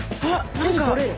手に取れる。